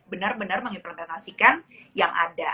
benar benar mengimplementasikan yang ada